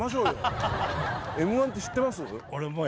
Ｍー１って知ってます？